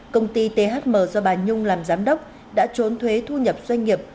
công ty thm do bà nhung làm giám đốc đã trốn thuế thu nhập doanh nghiệp